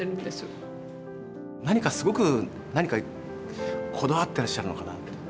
何かすごくこだわってらっしゃるのかなって。